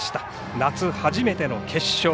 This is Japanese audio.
夏、初めての決勝